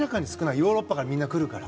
ヨーロッパからみんな来るから。